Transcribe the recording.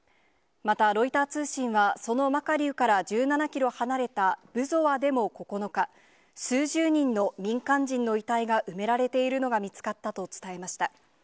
またロイター通信は、そのマカリウから１７キロ離れたブゾワでも９日、数十人の民間人の遺体が埋められているのが見つかったと伝えました。